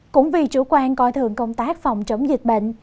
cũng vì chủ quan coi thường công tác phòng chống dịch bệnh